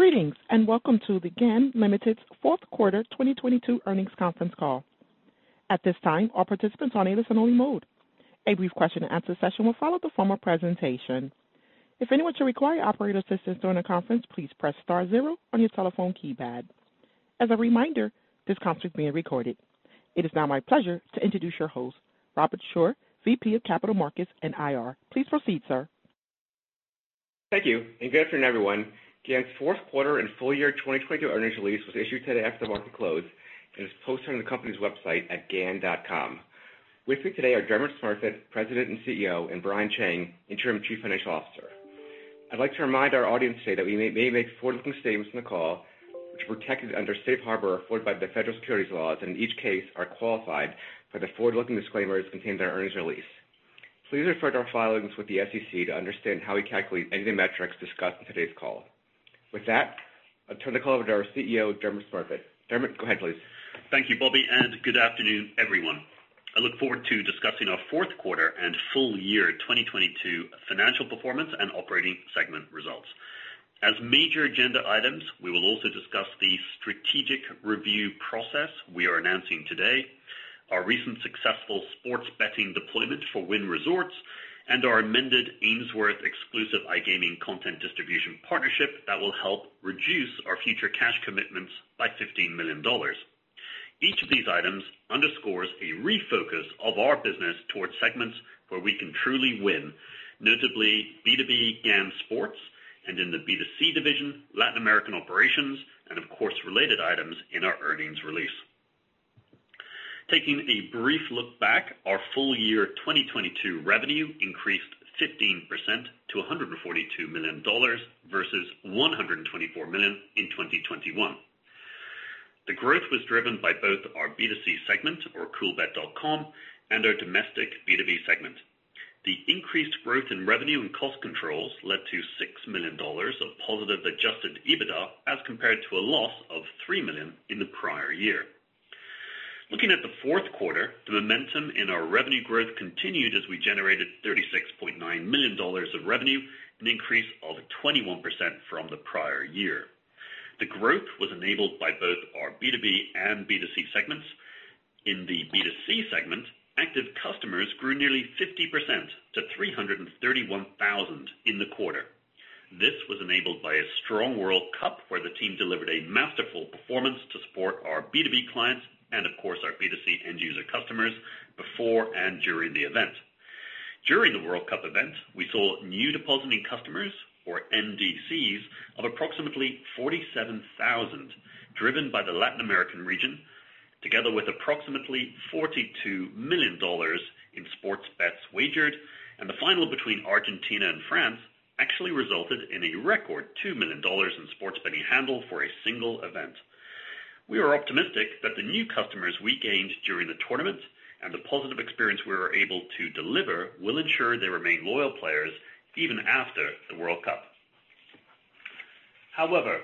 Greetings, welcome to the GAN Limited's fourth quarter 2022 earnings conference call. At this time, all participants are on a listen-only mode. A brief question-and-answer session will follow the formal presentation. If anyone should require operator assistance during the conference, please press star zero on your telephone keypad. As a reminder, this conference is being recorded. It is now my pleasure to introduce your host, Robert Shore, Vice President, IR and Capital Markets. Please proceed, sir. Thank you, good afternoon, everyone. GAN's fourth quarter and full year 2022 earnings release was issued today after the market close and is posted on the company's website at gan.com. With me today are Dermot Smurfit, President and CEO; and Brian Chang, Interim Chief Financial Officer. I'd like to remind our audience today that we may make forward-looking statements on the call which are protected under Safe Harbor afforded by the federal securities laws and each case are qualified by the forward-looking disclaimers contained in our earnings release. Please refer to our filings with the SEC to understand how we calculate any of the metrics discussed in today's call. With that, I'll turn the call over to our CEO, Dermot Smurfit. Dermot, go ahead, please. Thank you, Bobby, good afternoon, everyone. I look forward to discussing our fourth quarter and full year 2022 financial performance and operating segment results. As major agenda items, we will also discuss the strategic review process we are announcing today, our recent successful sports betting deployment for Wynn Resorts, and our amended Ainsworth exclusive iGaming content distribution partnership that will help reduce our future cash commitments by $15 million. Each of these items underscores a refocus of our business towards segments where we can truly win. Notably B2B GAN Sports and in the B2C division, Latin American operations, and of course, related items in our earnings release. Taking a brief look back, our full year 2022 revenue increased 15% to $142 million versus $124 million in 2021. The growth was driven by both our B2C segment or Coolbet.com and our domestic B2B segment. The increased growth in revenue and cost controls led to $6 million of positive Adjusted EBITDA as compared to a loss of $3 million in the prior year. Looking at the fourth quarter, the momentum in our revenue growth continued as we generated $36.9 million of revenue, an increase of 21% from the prior year. The growth was enabled by both our B2B and B2C segments. In the B2C segment, active customers grew nearly 50% to 331,000 in the quarter. This was enabled by a strong World Cup, where the team delivered a masterful performance to support our B2B clients and of course, our B2C end user customers before and during the event. During the World Cup event, we saw new depositing customers or NDCs of approximately 47,000, driven by the Latin American region, together with approximately $42 million in sports bets wagered. The final between Argentina and France actually resulted in a record $2 million in sports betting handle for a single event. We are optimistic that the new customers we gained during the tournament and the positive experience we were able to deliver will ensure they remain loyal players even after the World Cup. However,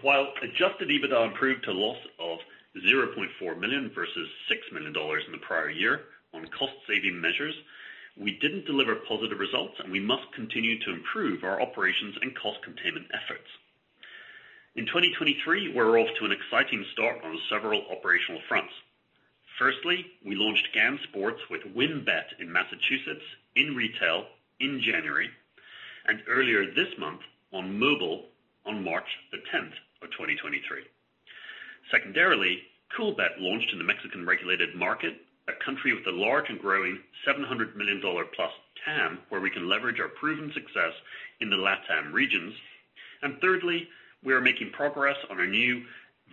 while Adjusted EBITDA improved to a loss of $0.4 million versus $6 million in the prior year on cost-saving measures, we didn't deliver positive results, and we must continue to improve our operations and cost containment efforts. In 2023, we're off to an exciting start on several operational fronts. Firstly, we launched GAN Sports with WynnBET in Massachusetts in retail in January and earlier this month on mobile on March 10th, 2023. Secondarily, Coolbet launched in the Mexican regulated market, a country with a large and growing $700 million+ TAM, where we can leverage our proven success in the LATAM regions. Thirdly, we are making progress on our new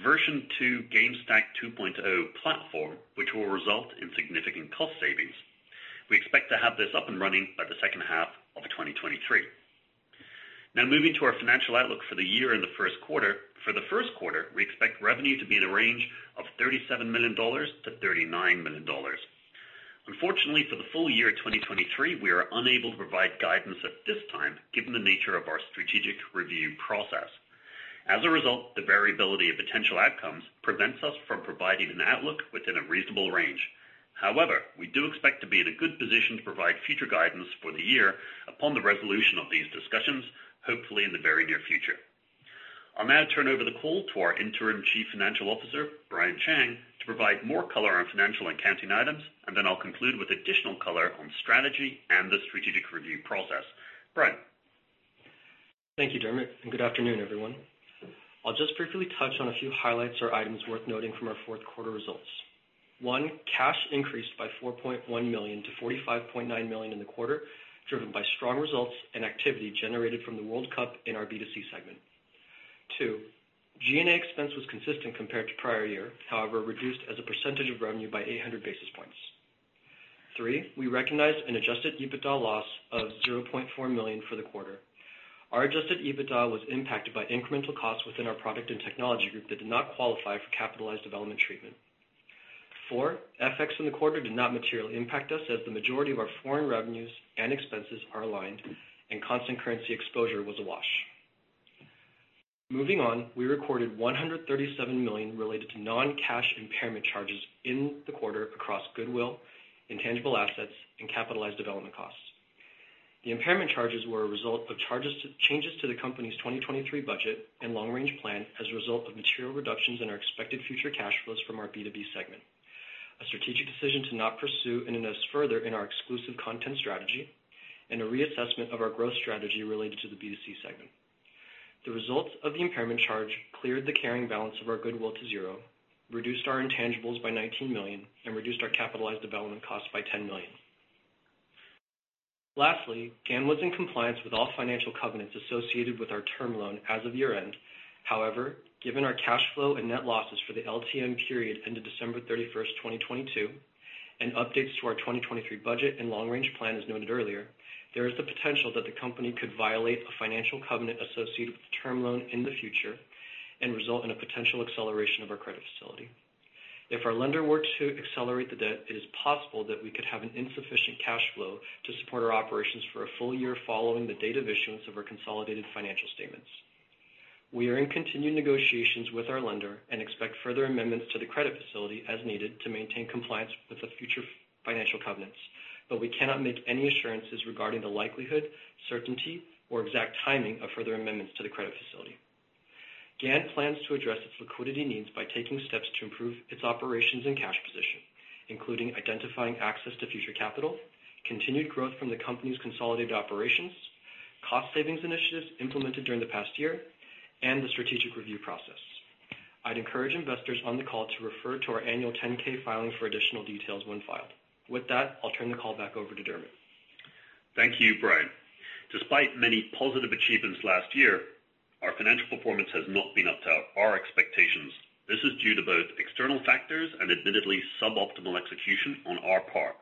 version two GameSTACK 2.0 platform, which will result in significant cost savings. We expect to have this up and running by the second half of 2023. Now, moving to our financial outlook for the year and the first quarter. For the first quarter, we expect revenue to be in a range of $37 million-$39 million. Unfortunately, for the full year 2023, we are unable to provide guidance at this time, given the nature of our strategic review process. As a result, the variability of potential outcomes prevents us from providing an outlook within a reasonable range. However, we do expect to be in a good position to provide future guidance for the year upon the resolution of these discussions, hopefully in the very near future. I'll now turn over the call to our Interim Chief Financial Officer, Brian Chang, to provide more color on financial accounting items. Then I'll conclude with additional color on strategy and the strategic review process. Brian. Thank you, Dermot. Good afternoon, everyone. I'll just briefly touch on a few highlights or items worth noting from our fourth quarter results. One, cash increased by $4.1 million-$45.9 million in the quarter, driven by strong results and activity generated from the World Cup in our B2C segment. Two, G&A expense was consistent compared to prior year, however reduced as a percentage of revenue by 800 basis points. Three, we recognized an Adjusted EBITDA loss of $0.4 million for the quarter. Our Adjusted EBITDA was impacted by incremental costs within our product and technology group that did not qualify for capitalized development treatment. Four, FX in the quarter did not materially impact us as the majority of our foreign revenues and expenses are aligned and constant currency exposure was a wash. Moving on, we recorded $137 million related to non-cash impairment charges in the quarter across goodwill, intangible assets and capitalized development costs. The impairment charges were a result of changes to the company's 2023 budget and long-range plan as a result of material reductions in our expected future cash flows from our B2B segment. A strategic decision to not pursue 1X2 as further in our exclusive content strategy and a reassessment of our growth strategy related to the B2C segment. The results of the impairment charge cleared the carrying balance of our goodwill to zero, reduced our intangibles by $19 million and reduced our capitalized development costs by $10 million. Lastly, GAN was in compliance with all financial covenants associated with our term loan as of year-end. However, given our cash flow and net losses for the LTM period ended December 31st, 2022, and updates to our 2023 budget and long-range plan, as noted earlier, there is the potential that the company could violate a financial covenant associated with the term loan in the future and result in a potential acceleration of our credit facility. If our lender were to accelerate the debt, it is possible that we could have an insufficient cash flow to support our operations for a full year following the date of issuance of our consolidated financial statements. We are in continued negotiations with our lender and expect further amendments to the credit facility as needed to maintain compliance with the future financial covenants. We cannot make any assurances regarding the likelihood, certainty or exact timing of further amendments to the credit facility. GAN plans to address its liquidity needs by taking steps to improve its operations and cash position, including identifying access to future capital, continued growth from the company's consolidated operations, cost savings initiatives implemented during the past year, and the strategic review process. I'd encourage investors on the call to refer to our annual 10-K filing for additional details when filed. With that, I'll turn the call back over to Dermot. Thank you, Brian. Despite many positive achievements last year, our financial performance has not been up to our expectations. This is due to both external factors and admittedly suboptimal execution on our part.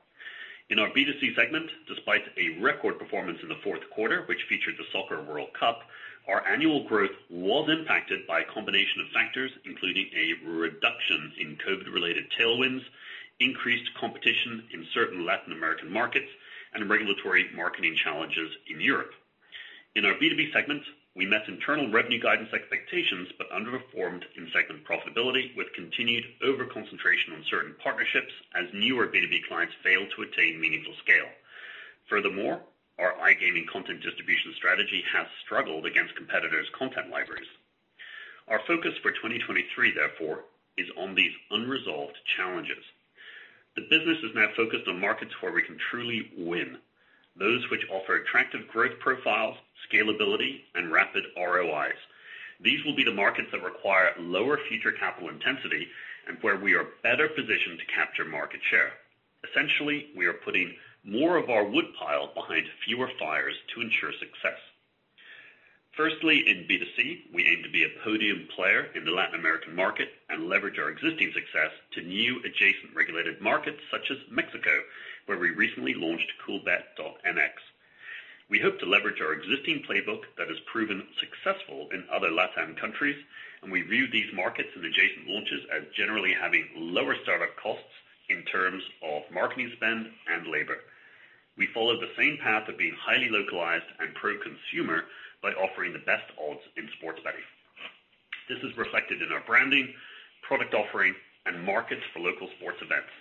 In our B2C segment, despite a record performance in the fourth quarter, which featured the Soccer World Cup, our annual growth was impacted by a combination of factors, including a reduction in COVID-related tailwinds, increased competition in certain Latin American markets, and regulatory marketing challenges in Europe. In our B2B segment, we met internal revenue guidance expectations, but underperformed in segment profitability, with continued over-concentration on certain partnerships as newer B2B clients failed to attain meaningful scale. Furthermore, our iGaming content distribution strategy has struggled against competitors' content libraries. Our focus for 2023, therefore, is on these unresolved challenges. The business is now focused on markets where we can truly win, those which offer attractive growth profiles, scalability and rapid ROIs. These will be the markets that require lower future capital intensity and where we are better positioned to capture market share. Essentially, we are putting more of our woodpile behind fewer fires to ensure success. Firstly, in B2C, we aim to be a podium player in the Latin American market and leverage our existing success to new adjacent regulated markets such as Mexico, where we recently launched Coolbet.mx. We hope to leverage our existing playbook that has proven successful in other LATAM countries, and we view these markets and adjacent launches as generally having lower startup costs in terms of marketing spend and labor. We follow the same path of being highly localized and pro-consumer by offering the best odds in sports betting. This is reflected in our branding, product offering, and markets for local sports events.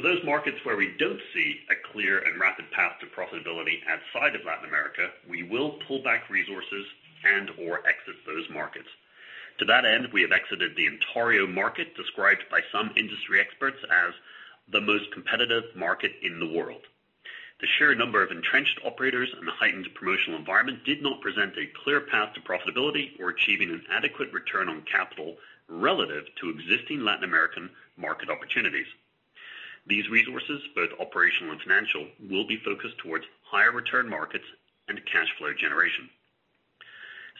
For those markets where we don't see a clear and rapid path to profitability outside of Latin America, we will pull back resources and or exit those markets. To that end, we have exited the Ontario market, described by some industry experts as the most competitive market in the world. The sheer number of entrenched operators and the heightened promotional environment did not present a clear path to profitability or achieving an adequate return on capital relative to existing Latin American market opportunities. These resources, both operational and financial, will be focused towards higher return markets and cash flow generation.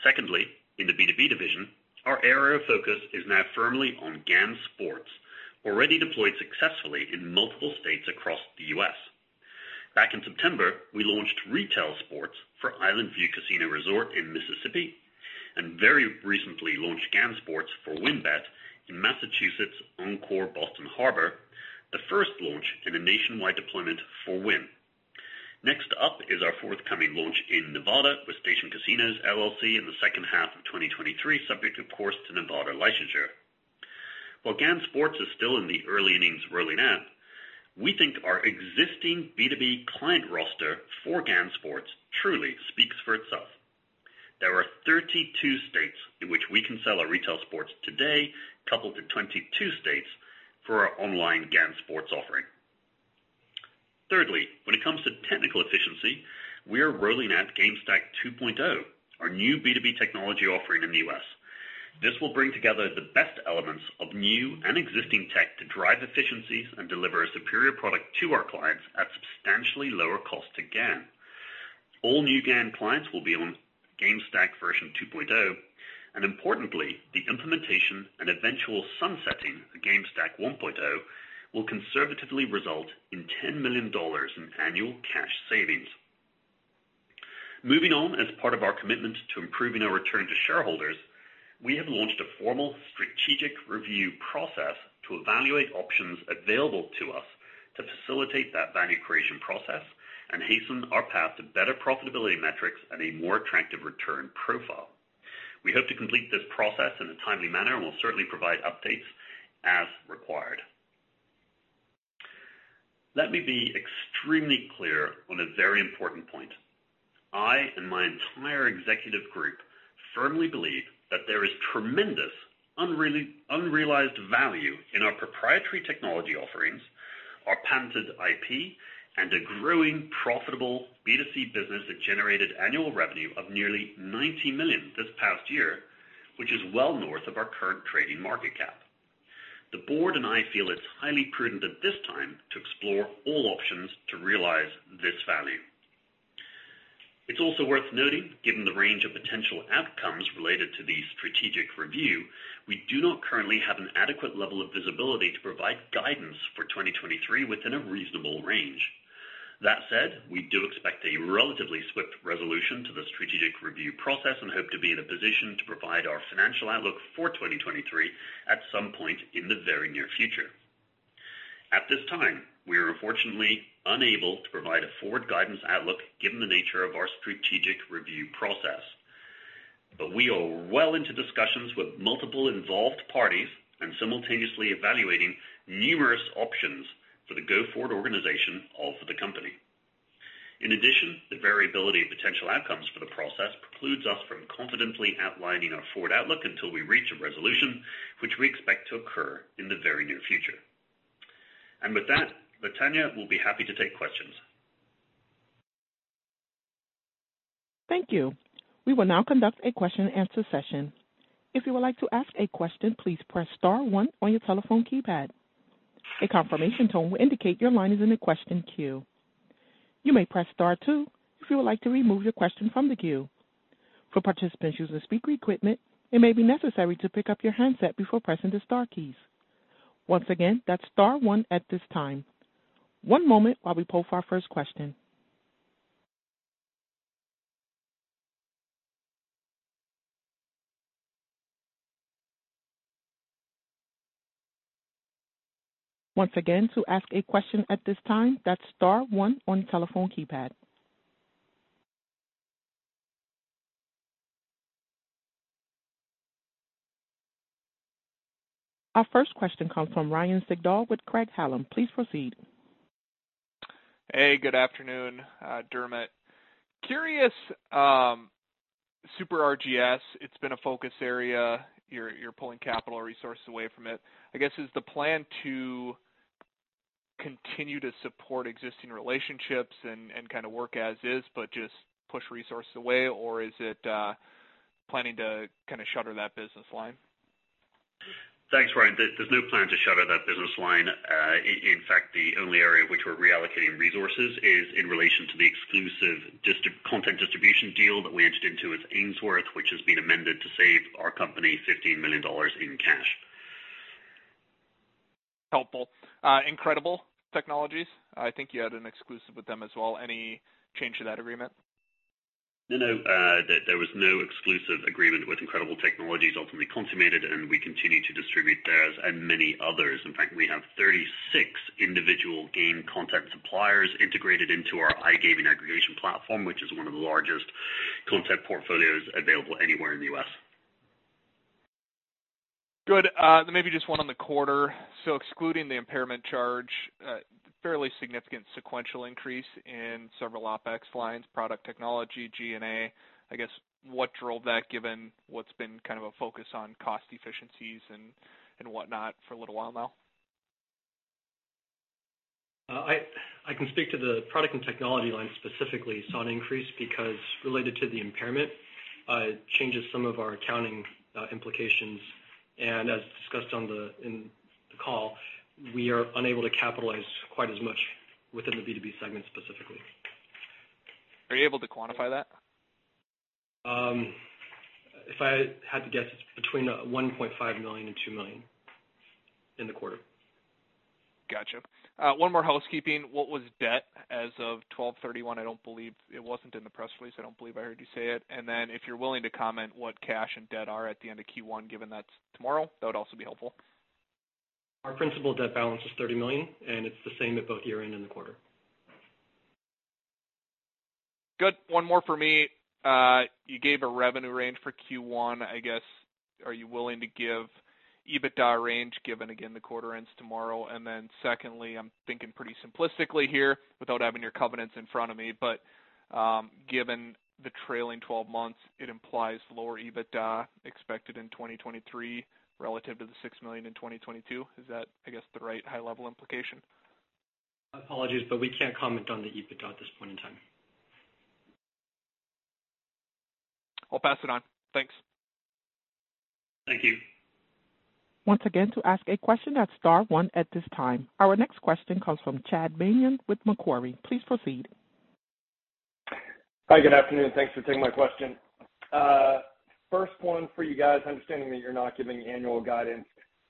Secondly, in the B2B division, our area of focus is now firmly on GAN Sports, already deployed successfully in multiple states across the U.S. Back in September, we launched retail sports for Island View Casino Resort in Mississippi, and very recently launched GAN Sports for WynnBET in Massachusetts Encore Boston Harbor, the first launch in a nationwide deployment for Wynn. Next up is our forthcoming launch in Nevada with Station Casinos LLC in the second half of 2023, subject of course to Nevada licensure. While GAN Sports is still in the early innings rolling out, we think our existing B2B client roster for GAN Sports truly speaks for itself. There are 32 states in which we can sell our retail sports today, coupled with 22 states for our online GAN Sports offering. Thirdly, when it comes to technical efficiency, we are rolling out GameSTACK 2.0, our new B2B technology offering in the U.S. This will bring together the best elements of new and existing tech to drive efficiencies and deliver a superior product to our clients at substantially lower cost to GAN. All new GAN clients will be on GameSTACK version 2.0, and importantly, the implementation and eventual sunsetting of GameSTACK 1.0 will conservatively result in $10 million in annual cash savings. Moving on, as part of our commitment to improving our return to shareholders. We have launched a formal strategic review process to evaluate options available to us to facilitate that value creation process and hasten our path to better profitability metrics and a more attractive return profile. We hope to complete this process in a timely manner, and we'll certainly provide updates as required. Let me be extremely clear on a very important point. I and my entire executive group firmly believe that there is tremendous unrealized value in our proprietary technology offerings, our patented IP, and a growing profitable B2C business that generated annual revenue of nearly $90 million this past year, which is well north of our current trading market cap. The board and I feel it's highly prudent at this time to explore all options to realize this value. It's also worth noting, given the range of potential outcomes related to the strategic review, we do not currently have an adequate level of visibility to provide guidance for 2023 within a reasonable range. That said, we do expect a relatively swift resolution to the strategic review process and hope to be in a position to provide our financial outlook for 2023 at some point in the very near future. At this time, we are unfortunately unable to provide a forward guidance outlook given the nature of our strategic review process. We are well into discussions with multiple involved parties and simultaneously evaluating numerous options for the go-forward organization of the company. In addition, the variability of potential outcomes for the process precludes us from confidently outlining our forward outlook until we reach a resolution which we expect to occur in the very near future. With that, Latanya will be happy to take questions. Thank you. We will now conduct a question-and-answer session. If you would like to ask a question, please press star one on your telephone keypad. A confirmation tone will indicate your line is in the question queue. You may press star two if you would like to remove your question from the queue. For participants using speaker equipment, it may be necessary to pick up your handset before pressing the star keys. Once again, that's star one at this time. One moment while we poll for our first question. Once again, to ask a question at this time, that's star one on your telephone keypad. Our first question comes from Ryan Sigdahl with Craig-Hallum. Please proceed. Hey, good afternoon, Dermot. Curious, Super RGS, it's been a focus area. You're pulling capital resources away from it. I guess, is the plan to continue to support existing relationships and kinda work as is, but just push resources away, or is it planning to kinda shutter that business line? Thanks, Ryan. There's no plan to shutter that business line. In fact, the only area in which we're reallocating resources is in relation to the exclusive content distribution deal that we entered into with Ainsworth, which has been amended to save our company $15 million in cash. Helpful. Incredible Technologies, I think you had an exclusive with them as well. Any change to that agreement? No, no. There was no exclusive agreement with Incredible Technologies ultimately consummated. We continue to distribute theirs and many others. In fact, we have 36 individual game content suppliers integrated into our iGaming aggregation platform, which is one of the largest content portfolios available anywhere in the U.S. Good. Maybe just one on the quarter. Excluding the impairment charge, fairly significant sequential increase in several OPEX lines, product technology, G&A. I guess, what drove that, given what's been kind of a focus on cost efficiencies and whatnot for a little while now? I can speak to the product and technology line specifically. Saw an increase because related to the impairment, it changes some of our accounting implications. As discussed in the call, we are unable to capitalize quite as much within the B2B segment specifically. Are you able to quantify that? If I had to guess, it's between $1.5 million and $2 million in the quarter. Gotcha. One more housekeeping. What was debt as of 12/31? It wasn't in the press release. I don't believe I heard you say it. If you're willing to comment what cash and debt are at the end of Q1, given that's tomorrow, that would also be helpful. Our principal debt balance is $30 million, and it's the same at both year-end and the quarter. Good. One more for me. You gave a revenue range for Q1. I guess, are you willing to give EBITDA range given, again, the quarter ends tomorrow? Secondly, I'm thinking pretty simplistically here without having your covenants in front of me, but given the trailing twelve months, it implies lower EBITDA expected in 2023 relative to the $6 million in 2022. Is that, I guess, the right high-level implication? Apologies, but we can't comment on the EBITDA at this point in time. I'll pass it on. Thanks. Thank you. Once again, to ask a question, that's star one at this time. Our next question comes from Chad Beynon with Macquarie. Please proceed. Hi, good afternoon. Thanks for taking my question. First one for you guys, understanding that you're not giving annual guidance.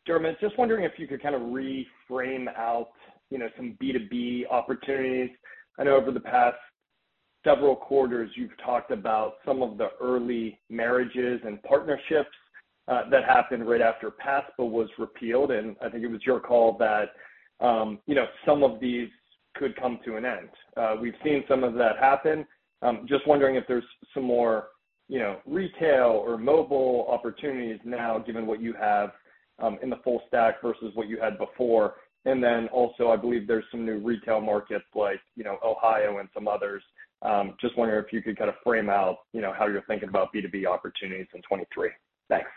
Dermot, just wondering if you could kinda reframe out, you know, some B2B opportunities. I know over the past several quarters, you've talked about some of the early marriages and partnerships that happened right after PASPA was repealed, and I think it was your call that, you know, some of these could come to an end. We've seen some of that happen. Just wondering if there's some more, you know, retail or mobile opportunities now given what you have in the full stack versus what you had before. Also, I believe there's some new retail markets like, you know, Ohio and some others. Just wondering if you could kinda frame out, you know, how you're thinking about B2B opportunities in 2023. Thanks.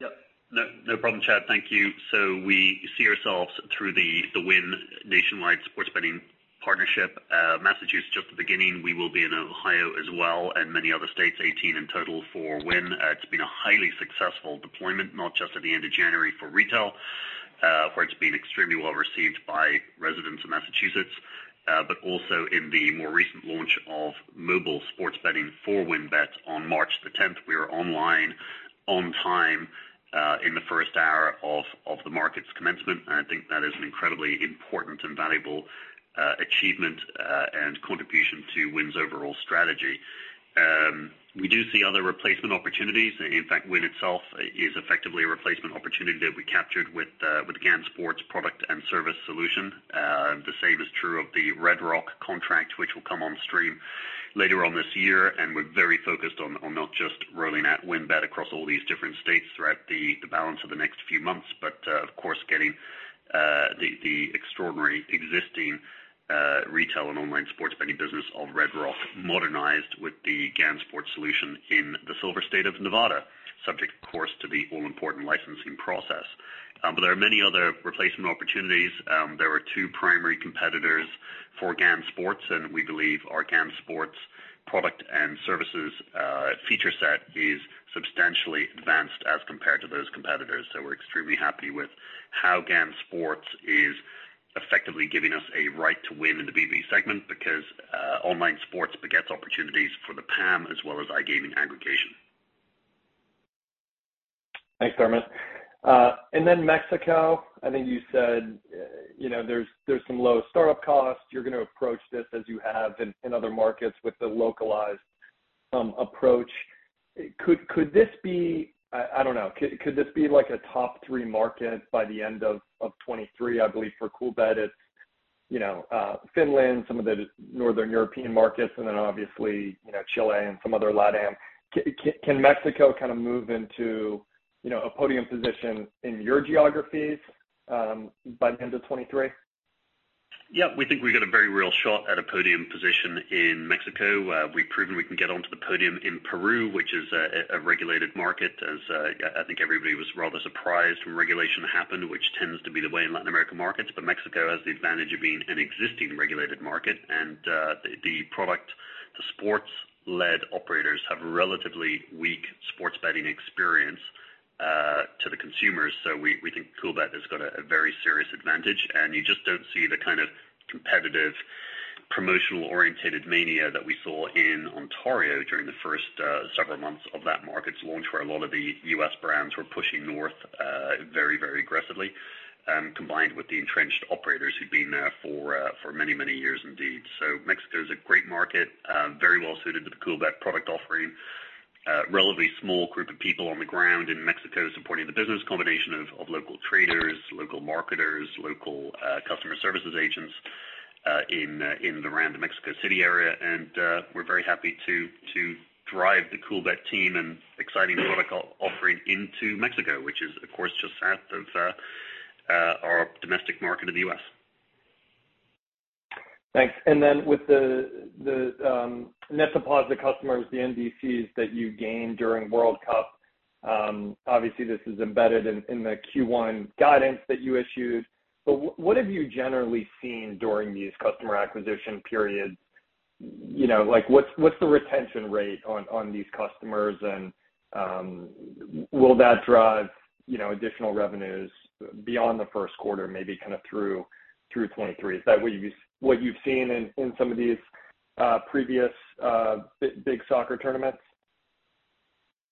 Yep. No, no problem, Chad. Thank you. We see ourselves through the Wynn nationwide sports betting partnership. Massachusetts, just the beginning. We will be in Ohio as well, and many other states, 18 in total for Wynn. It's been a highly successful deployment, not just at the end of January for retail, where it's been extremely well received by residents of Massachusetts, but also in the more recent launch of mobile sports betting for WynnBET on March 10th. We are online on time, in the first hour of the market's commencement, and I think that is an incredibly important and valuable achievement and contribution to Wynn's overall strategy. We do see other replacement opportunities. In fact, Wynn itself is effectively a replacement opportunity that we captured with the GAN Sports product and service solution. The same is true of the Red Rock contract which will come on stream later on this year. We're very focused on not just rolling out WynnBET across all these different states throughout the balance of the next few months, but of course, getting the extraordinary existing retail and online sports betting business of Red Rock modernized with the GAN Sports solution in the Silver State of Nevada, subject of course to the all-important licensing process. There are many other replacement opportunities. There are two primary competitors for GAN Sports. We believe our GAN Sports product and services feature set is substantially advanced as compared to those competitors. We're extremely happy with how GAN Sports is effectively giving us a right to win in the B2B segment because online sports begets opportunities for the PAM as well as iGaming aggregation. Thanks, Dermot. Then Mexico, I think you said, you know, there's some low startup costs. You're gonna approach this as you have in other markets with the localized approach. Could this be like a top three market by the end of 2023? I believe for Coolbet, it's, you know, Finland, some of the Northern European markets, and then obviously, you know, Chile and some other LATAM. Can Mexico kinda move into, you know, a podium position in your geographies by the end of 2023? Yeah. We think we got a very real shot at a podium position in Mexico. We've proven we can get onto the podium in Peru, which is a regulated market as I think everybody was rather surprised when regulation happened, which tends to be the way in Latin American markets. Mexico has the advantage of being an existing regulated market. The product, the sports-led operators have relatively weak sports betting experience to the consumers. We think Coolbet has got a very serious advantage. You just don't see the kind of competitive promotional-orientated mania that we saw in Ontario during the first several months of that market's launch, where a lot of the U.S. brands were pushing north very aggressively, combined with the entrenched operators who'd been there for many years indeed. Mexico is a great market, very well suited to the Coolbet product offering. Relatively small group of people on the ground in Mexico supporting the business. Combination of local traders, local marketers, local customer services agents, in the random Mexico City area. We're very happy to drive the Coolbet team and exciting product offering into Mexico, which is, of course, just south of our domestic market of the U.S. Thanks. Then with the net deposit customers, the NDCs that you gained during World Cup, obviously, this is embedded in the Q1 guidance that you issued. What have you generally seen during these customer acquisition periods? You know, like what's the retention rate on these customers? Will that drive, you know, additional revenues beyond the first quarter, maybe kinda through 2023? Is that what you've seen in some of these previous big soccer tournaments?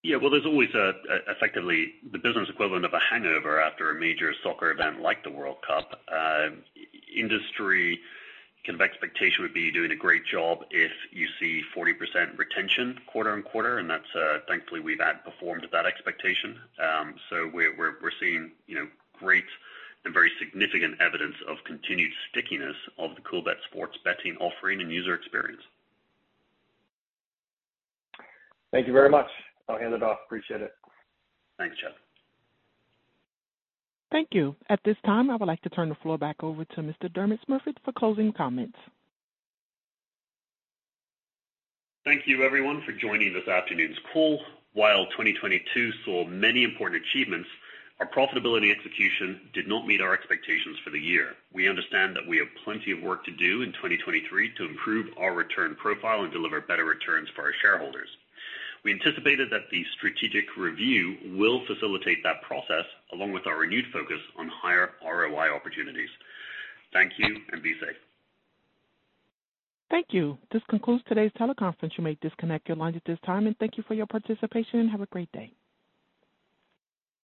Well, there's always a, effectively the business equivalent of a hangover after a major soccer event like the World Cup. Industry kind of expectation would be you're doing a great job if you see 40% retention quarter-on-quarter, and that's thankfully, we've outperformed that expectation. So we're seeing, you know, great and very significant evidence of continued stickiness of the Coolbet sports betting offering and user experience. Thank you very much. I'll hand it off. Appreciate it. Thanks, Chad. Thank you. At this time, I would like to turn the floor back over to Mr. Dermot Smurfit for closing comments. Thank you everyone for joining this afternoon's call. While 2022 saw many important achievements, our profitability execution did not meet our expectations for the year. We understand that we have plenty of work to do in 2023 to improve our return profile and deliver better returns for our shareholders. We anticipated that the strategic review will facilitate that process, along with our renewed focus on higher ROI opportunities. Thank you and be safe. Thank you. This concludes today's teleconference. You may disconnect your lines at this time. Thank you for your participation, and have a great day.